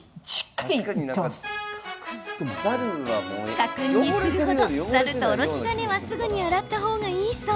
家訓にする程ざると、おろし金はすぐに洗った方がいいそう。